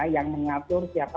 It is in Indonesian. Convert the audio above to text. yang mengatur siapa